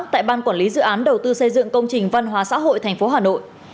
tại ban quản lý dự án đầu tư xây dựng công trình văn hóa xã hội tp hà nội